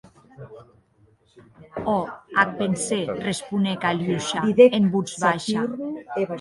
Òc, ac pensè, responec Aliosha en votz baisha.